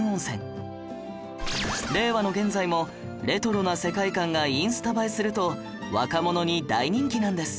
令和の現在もレトロな世界観がインスタ映えすると若者に大人気なんです